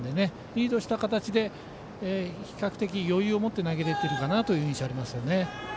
リードした形で比較的余裕を持って投げれてるかなという印象ありますよね。